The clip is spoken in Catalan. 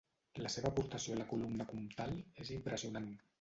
La seva aportació a la columna comtal és impressionant.